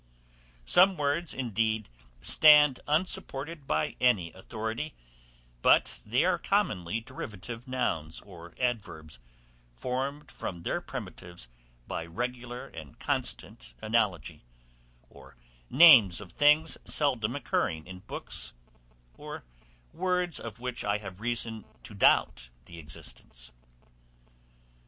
Some words, indeed, stand unsupported by any authority, but they are commonly derivative nouns or adverbs, formed from their primitives by regular and constant analogy, or names of things seldom occurring in books, or words of which I have reason to doubt the existence.